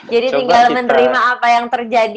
jadi tinggal menerima apa yang terjadi